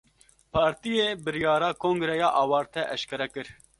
Partiyê, biryara kongreya awarte eşkere kir